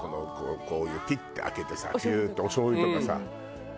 こういうピッて開けてさピューッておしょうゆとかさ。